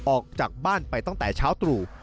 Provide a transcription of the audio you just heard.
ออกจากบ้านไปตั้งแต่เช้าตรู่